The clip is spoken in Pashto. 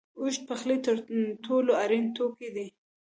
اوړه د پخلي تر ټولو اړین توکي دي